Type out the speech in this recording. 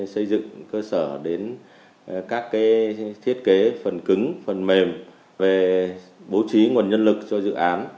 xây dựng cơ sở đến các thiết kế phần cứng phần mềm về bố trí nguồn nhân lực cho dự án